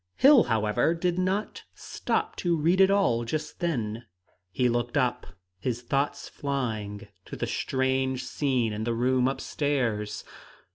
Hill, however, did not stop to read it all just then. He looked up, his thoughts flying to the strange scene in the room up stairs.